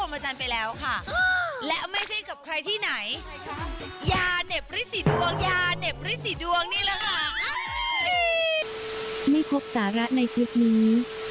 ไม่พบสาระในคลิปนี้